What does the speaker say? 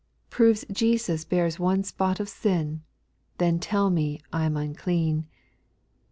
268 Proves Jesus bears one spot of sin, Then tell me I 'in unclean.